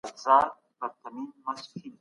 که ښه وي نو ښه.